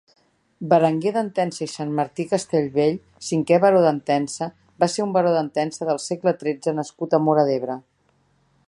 Berenguer d'Entença i Santmartí-Castellvell (cinquè baró d'Entença) va ser un baró d'Entença del segle tretze nascut a Móra d'Ebre.